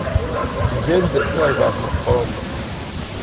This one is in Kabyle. Gan-d tarbaɛt meqqren.